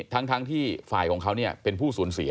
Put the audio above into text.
ทั้งที่ฝ่ายของเขาเป็นผู้สูญเสีย